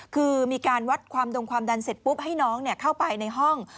คือมีการวัดความดงความดันเสร็จปุ๊บให้น้องเข้าไปในห้อง